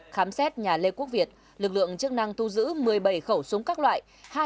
khám xét nhà lê quốc việt lực lượng chức năng thu giữ một mươi bảy khẩu súng các loại